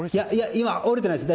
今、折れてないです。